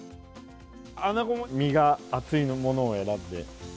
アナゴも身が厚いものを選んで。